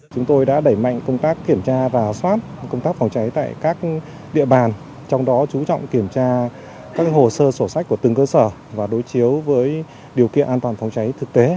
công tác phòng cháy tại các địa bàn trong đó chú trọng kiểm tra các hồ sơ sổ sách của từng cơ sở và đối chiếu với điều kiện an toàn phòng cháy thực tế